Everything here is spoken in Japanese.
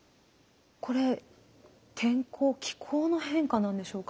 これ天候気候の変化なんでしょうか？